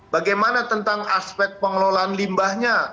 bagaimana tentang aspek pengelolaan limbahnya